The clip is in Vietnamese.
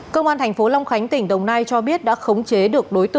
công an thành phố long khánh tỉnh đồng nai cho biết đã khống chế được đối tượng dùng súng